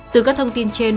từ các thông tin trên